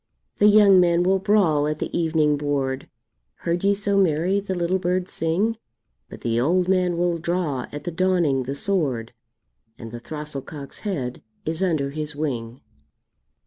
The young man will brawl at the evening board; Heard ye so merry the little bird sing? But the old man will draw at the dawning the sword, And the throstle cock's head is under his wing.